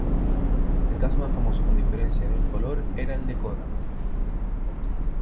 El caso más famoso con diferencias de color era el de Kodak.